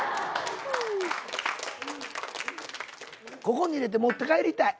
ここに入れて持って帰りたい。